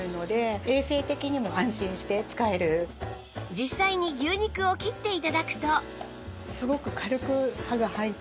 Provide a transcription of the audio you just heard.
実際に牛肉を切って頂くと